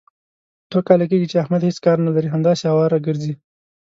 دوه کاله کېږي، چې احمد هېڅ کار نه لري. همداسې اواره ګرځي.